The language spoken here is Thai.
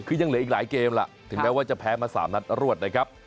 คือยังเหลืออีกหลายเกมล่ะถึงแม้ว่าจะแพ้มา๓นัดรวดนะครับ